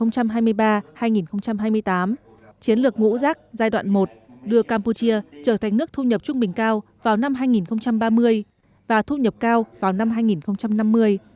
chiến lược ngũ rác giai đoạn một đưa campuchia trở thành nước thu nhập trung bình cao vào năm hai nghìn ba mươi và thu nhập cao vào năm hai nghìn năm mươi